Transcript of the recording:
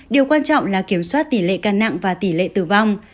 điều quan trọng là kiểm soát tỉ lệ ca nặng và tỉ lệ tử vong